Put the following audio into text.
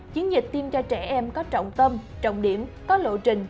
chiến dịch tiêm cho trẻ em có trọng tâm trọng điểm có lộ trình